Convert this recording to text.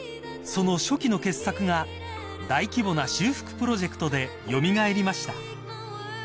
［その初期の傑作が大規模な修復プロジェクトで蘇りました］